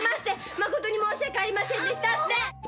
まことに申し訳ありませんでした」って！